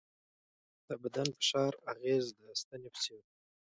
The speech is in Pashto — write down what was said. د بدن فشار اغېز د ستنې په څېر دی.